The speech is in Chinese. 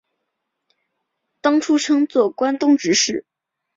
当初称作关东执事。